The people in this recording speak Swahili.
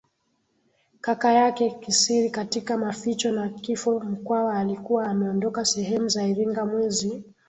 kaka yake kisiriKatika maficho na kifo Mkwawa alikuwa ameondoka sehemu za Iringa mwezi